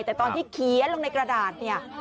แต่ตอนที่เขียนลงในกระดาษเนี่ย